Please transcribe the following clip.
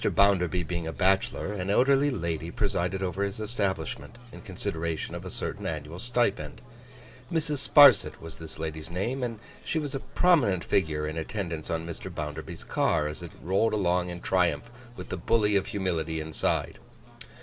BOUNDERBY being a bachelor, an elderly lady presided over his establishment, in consideration of a certain annual stipend. Mrs. Sparsit was this lady's name; and she was a prominent figure in attendance on Mr. Bounderby's car, as it rolled along in triumph with the Bully of humility inside.